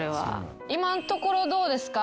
今んところどうですか？